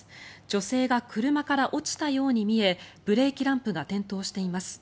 女性が車から落ちたように見えブレーキランプが点灯しています。